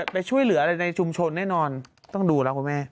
ไปช่วยเหลืออะไรในชุมชนแน่นอนต้องดูแล้วคุณแม่